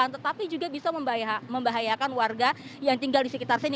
tetapi juga bisa membahayakan warga yang tinggal di sekitar sini